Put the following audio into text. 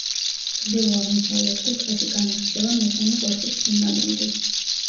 ჩრდილო-აღმოსავლეთ კუთხეში განირჩევა მესამე კოშკის ფუნდამენტი.